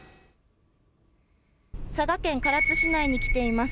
佐賀県唐津市内に来ています。